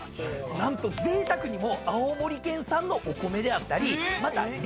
何とぜいたくにも青森県産のお米であったりまたリンゴ。